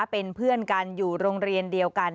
เป็นเพื่อนกันอยู่โรงเรียนเดียวกัน